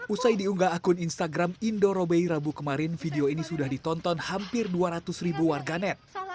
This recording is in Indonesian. usai diunggah akun instagram indo robei rabu kemarin video ini sudah ditonton hampir dua ratus ribu warganet